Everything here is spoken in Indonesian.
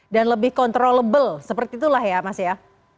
dan lebih controllable seperti itulah ya mas ya